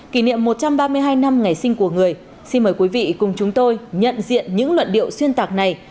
kỷ niệm một trăm ba mươi hai năm ngày sinh của người xin mời quý vị cùng chúng tôi nhận diện những luận điệu xuyên tạc này